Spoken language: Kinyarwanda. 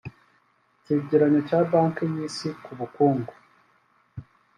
Icyegeranyo cya Banki y’Isi ku bukungu